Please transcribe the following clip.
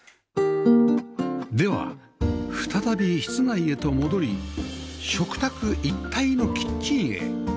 では再び室内へと戻り食卓一体のキッチンへ